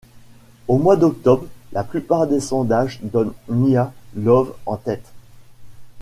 Au mois d'octobre, la plupart des sondages donnent Mia Love en tête.